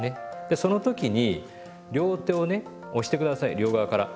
でその時に両手をね押して下さい両側から。